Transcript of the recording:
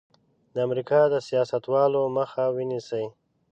د امریکا د سیاستوالو مخه ونیسي.